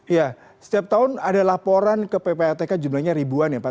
ya setiap tahun ada laporan ke ppatk jumlahnya ribuan ya pak